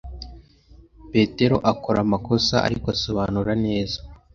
Peter akora amakosa, ariko asobanura neza.